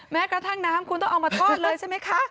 แม้กระทั่งน้ำคุณต้องเอามาทอดเลยใช่ไหมคะ